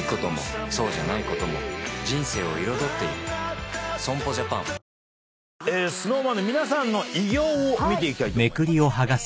すみません損保ジャパンＳｎｏｗＭａｎ の皆さんの偉業を見ていきたいと思います。